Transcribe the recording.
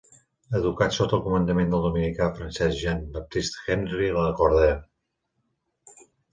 Educat sota el comandament del dominicà francès Jean-Baptiste Henri Lacordaire.